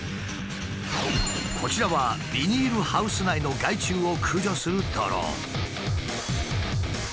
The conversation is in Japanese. こちらはビニールハウス内の害虫を駆除するドローン。